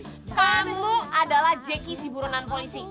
kamu adalah jackie si burunan polisi